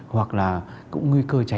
hoặc là cũng nguy cơ cháy